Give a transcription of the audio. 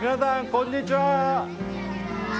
こんにちは。